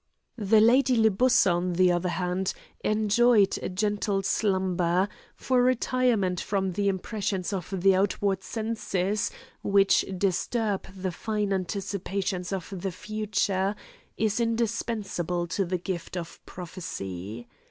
The Lady Libussa on the other hand, enjoyed a gentle slumber, for retirement from the impressions of the outward senses, which disturb the fine anticipations of the future, is indispensable to the gift of prophecy.